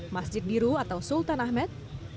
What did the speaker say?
masjid biru atau sultan ahmed